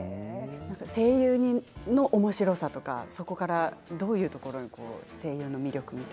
声優のおもしろさとかどういうところに声優の魅力を。